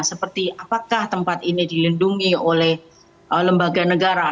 seperti apakah tempat ini dilindungi oleh lembaga negara